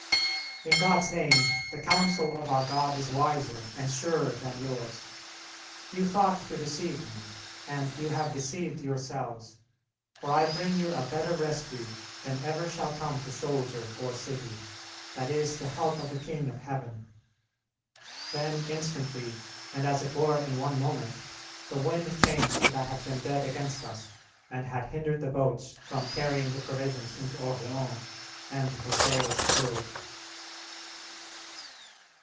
"'In God's name, the counsel of our God is wiser and surer than yours. You thought to deceive me, and you have deceived yourselves, for I bring you a better rescue than ever shall come to soldier or city that is, the help of the King of Heaven, ' "Then instantly, and as it were in one moment, the wind changed that had been dead against us, and had hindered the boats from carrying the provisions into Orleans, and the sails filled."